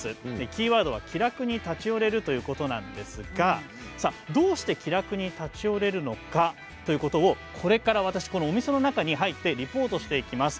キーワードは気楽に立ち寄れるということなんですがどうして気楽に立ち寄れるのかということをこれからお店の中に入ってリポートしていきます。